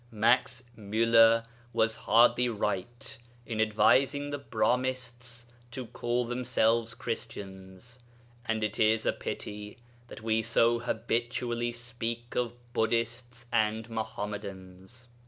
Max Müller was hardly right in advising the Brahmists to call themselves Christians, and it is a pity that we so habitually speak of Buddhists and Mohammedans.